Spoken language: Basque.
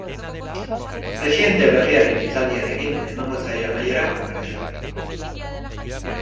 Presidente berriaren hitzaldiarekin emango zaio amaiera kongresuari.